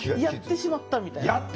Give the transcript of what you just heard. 「やってしまった」みたいな。